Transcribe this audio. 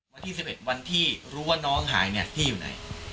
วันที่๑๑วันที่รู้ว่าน้องหายเนี่ยพี่อยู่ไหน